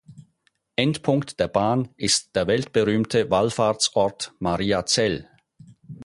Endpunkt der Bahn ist der weltberühmte Wallfahrtsort Mariazell.